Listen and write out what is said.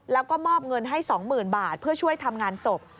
แล้วก็มอบเงินให้๒๐๐๐บาทเพื่อช่วยทำงานศพ